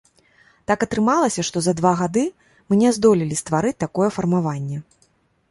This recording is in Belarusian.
Так атрымалася, што за два гады мы не здолелі стварыць такое фармаванне.